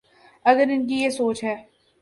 اگر ان کی یہ سوچ ہے۔